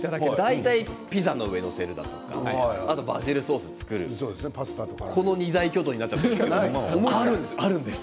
大体、ピザの上に載せるバジルソースを作るこの二大巨頭になっちゃうんです。